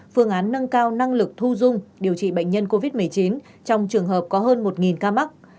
phương án nâng cao năng lực thu dung điều trị bệnh nhân covid một mươi chín trong trường hợp có hơn một ca mắc